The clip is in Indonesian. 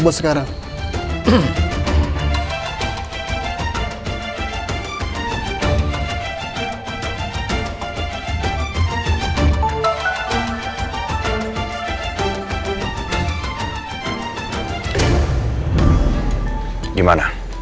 lo juga becanda